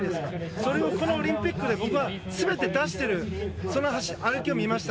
それにこのオリンピックで僕は全て出してる姿を見ました。